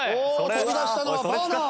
取り出したのはバーナー！